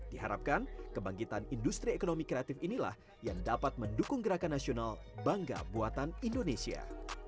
diharapkan kebangkitan industri ekonomi kreatif inilah yang dapat mendukung gerakan nasional bangga buatan indonesia